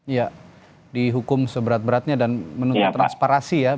ya dihukum seberat beratnya dan menuntut transparansi ya